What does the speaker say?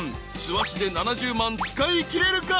諏訪市で７０万使いきれるか？］